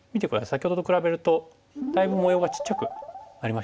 先ほどと比べるとだいぶ模様がちっちゃくなりましたよね。